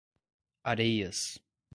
Areias